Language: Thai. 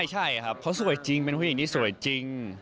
ใช่ครับเขาสวยจริงเป็นผู้หญิงที่สวยจริง